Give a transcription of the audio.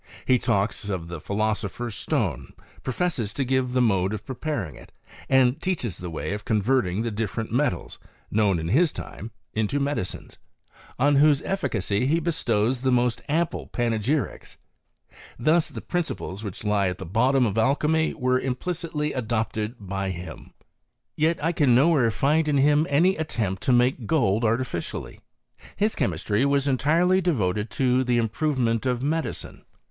He talks of t philosopher's stone ; professes to give the mode of pi paring it; and teaches the way of converting t different xnetals; known in his time, into medicinesi or ALCHTMT. 15 wbme efficacy he bestowt the most ample panegyrics* ThuB the principles which lie at the bottom of alchymy were implicitly adopted by him. Yet I can nowhere find in him any attempt to make gold artificially. His ehemistiy was entirely devoted to the improvement of medicine..